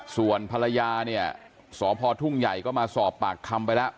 ส่วนภรรยาเนี่ยสพทุ่งใหญ่ก็มาสอบปากคำไปแล้ว